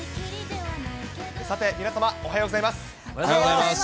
さて、皆様、おはようございます。